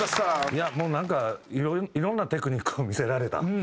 いやもうなんかいろんなテクニックを見せられた。